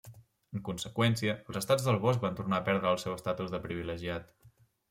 En conseqüència, els estats del bosc van tornar a perdre el seu estatus privilegiat.